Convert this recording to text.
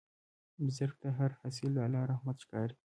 بزګر ته هر حاصل د الله رحمت ښکاري